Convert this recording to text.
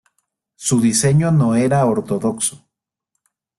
Su diseño no era ortodoxo.